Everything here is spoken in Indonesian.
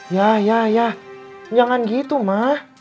ya ya ya jangan gitu ma